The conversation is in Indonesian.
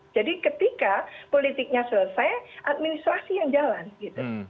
jadi ketika politiknya selesai administrasi yang jalan gitu